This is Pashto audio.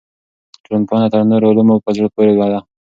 ټولنپوهنه تر نورو علومو په زړه پورې ده.